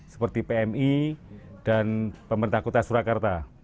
seperti pmi dan pemerintah kota surakarta